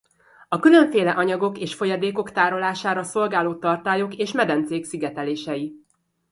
A különféle anyagok és folyadékok tárolására szolgáló tartályok és medencék szigetelései.